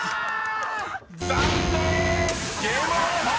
［残念！］